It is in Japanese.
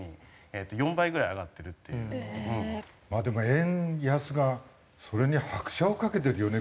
円安がそれに拍車をかけてるよね